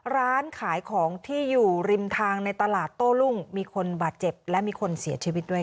ร้านขายของที่อยู่ริมทางในตลาดโต้รุ่งมีคนบาดเจ็บและมีคนเสียชีวิตด้วยค่ะ